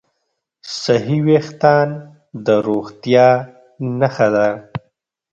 صحي وېښتيان د روغتیا نښه ده.